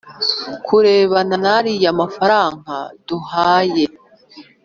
kurebana n’ariya mafarangaba duhaye